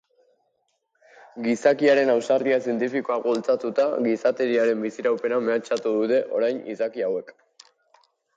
Gizakiaren ausardia zientifikoak bultzatuta, gizateriaren biziraupena mehatxatu dute orain izaki hauek.